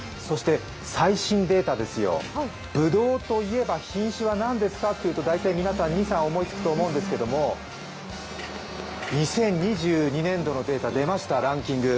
最新データですよ、ぶどうといえば品種は何ですかというと大体皆さん２３思いつくと思うんですけど、２０２２年度のデータ出ました、ランキング。